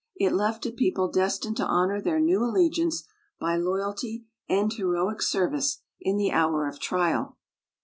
It left a people destined to honour their new allegiance by loyalty and heroic service in the hour of trial.